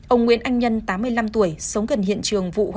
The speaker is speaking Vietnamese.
ông nguyễn anh nhân tám mươi năm tuổi sống gần hiện trường vụ hỏa hoạn